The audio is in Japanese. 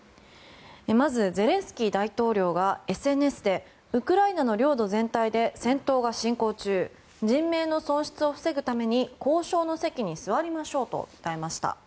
まず、ゼレンスキー大統領がＳＮＳでウクライナの領土全体で戦闘が進行中人命の損失を防ぐために交渉の席に座りましょうと訴えました。